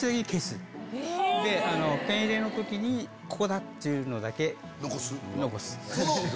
ペン入れの時にここだ！っていうのだけ残す。